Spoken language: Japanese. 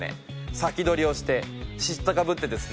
サキドリをして知ったかぶってですね